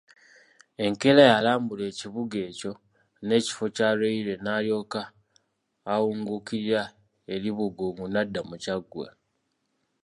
Enkeera yalambula ekibuga ekyo n'ekifo kya railway n'alyoka awungukira e Bugungu n'adda mu Kyaggwe.